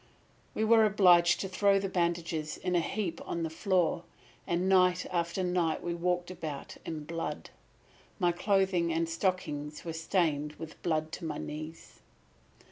"We were obliged to throw the bandages in a heap on the floor, and night after night we walked about in blood. My clothing and stockings were stained with blood to my knees.